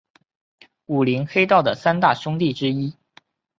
武林黑道的三大凶地之一。